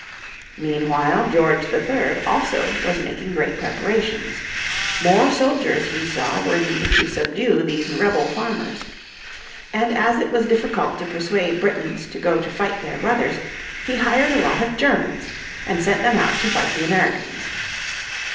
Meanwhile George III also was making free at preparations. More soldiers he saw were needed to subdue these rebel farmers. And as it was difficult to persuade Britons to go to fight their brothers he hired a lot of Germans, and sent them out to fight the Americans.